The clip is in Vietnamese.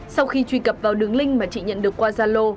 sau khi truy cập vào đường link mà chị nhận được qua gia lô